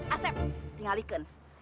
asep tinggal ikun